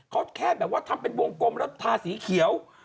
เขาแค่แบบว่าทำเป็นวงกลมแล้วทาสีเขียว